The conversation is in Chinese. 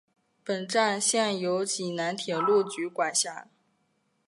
本站现由济南铁路局管辖。